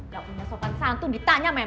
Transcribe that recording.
gak punya sopan santun ditanya memang